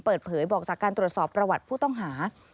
เปิดเผยบอกจากการตรวจสอบประวัติผู้ต้องหา